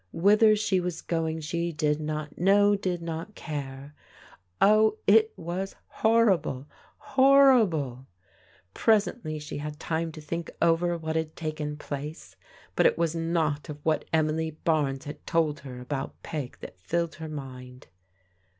Whither she was going she did not know, did not care. Oh, it was horrible, horrible! Presently she had time to think over what had taken place, but it was not of what Emily Barnes had told her about Peg that filled her mind.